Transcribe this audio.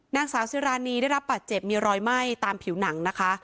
นางสาวซิรานีได้รับบาดเจ็บมีรอยไหม้ตามผิวหนังนะคะ